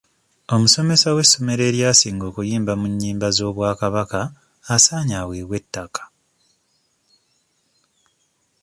Omusomesa w'essomero eryasinga okuyimba mu nnyimba z'obwakabaka asaanye aweebwe ettaka.